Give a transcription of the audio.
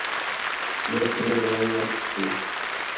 Napoleon, আমি আসছি।